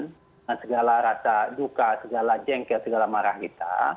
dengan segala rasa duka segala jengkel segala marah kita